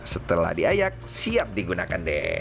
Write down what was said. setelah diayak siap digunakan deh